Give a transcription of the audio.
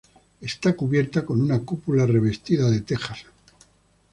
Está cubierta con una cúpula revestida de tejas.